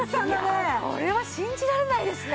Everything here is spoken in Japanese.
いやこれは信じられないですね。